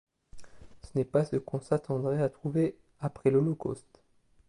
Ce n'est pas ce qu'on s'attendrait à trouver après l'Holocauste.